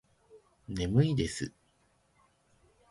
眠いです